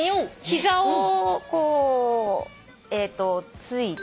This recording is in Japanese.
膝をこうついて。